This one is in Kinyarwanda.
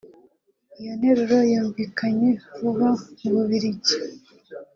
Iyo ntero yumvikanye vuba mu Bubiligi